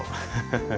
ハハハハ。